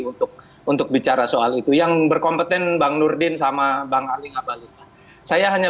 untuk untuk bicara soal itu yang berkompeten bang nurdin sama bang ali ngabalin saya hanya